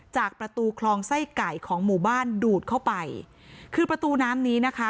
จากประตูคลองไส้ไก่ของหมู่บ้านดูดเข้าไปคือประตูน้ำนี้นะคะ